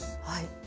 はい。